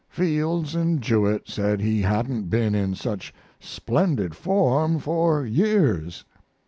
Fields and Jewett said he hadn't been in such splendid form for years.